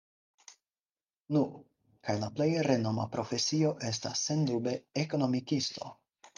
Nu, kaj la plej renoma profesio estas, sendube, Ekonomikisto.